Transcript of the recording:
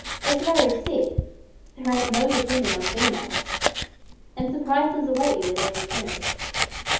As Larry said, "There ain't no depending on females," and surprises await you at every turn.